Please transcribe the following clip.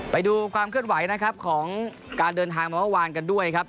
ไปดูความเคลื่อนไหวนะครับของการเดินทางมาเมื่อวานกันด้วยครับ